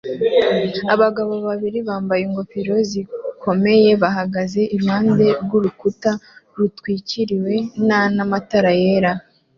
Abagabo babiri bambaye ingofero zikomeye bahagaze iruhande rw'urukuta rutwikiriwe nana matara yera